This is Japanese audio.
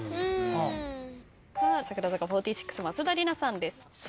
さあ櫻坂４６松田里奈さんです。